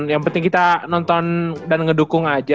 yang penting kita nonton dan ngedukung aja